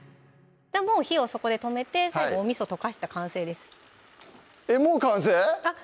もう火をそこで止めて最後おみそ溶かして完成ですえっ